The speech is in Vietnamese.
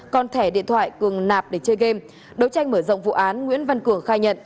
còn thẻ điện thoại cường nạp để chơi game đấu tranh mở rộng vụ án nguyễn văn cường khai nhận